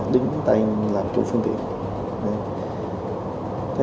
đứng tay làm chủ phương tiện